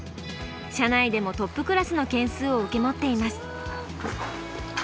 社内でもトップクラスの軒数を受け持っています。